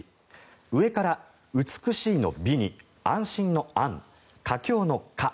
上から美しいの美に安心の安佳境の佳。